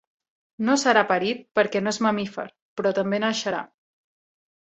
No serà parit perquè no és mamífer, però també naixerà.